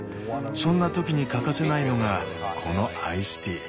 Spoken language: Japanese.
そんな時に欠かせないのがこのアイスティー。